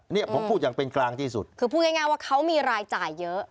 เนี่ยผมพูดอย่างเป็นกลางที่สุดคือพูดง่ายว่าเขามีรายจ่ายเยอะ